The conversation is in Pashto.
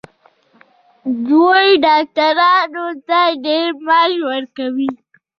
دوی ډاکټرانو ته ډیر معاش ورکوي.